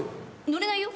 乗れないよ？